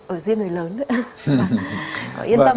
ở riêng người lớn đấy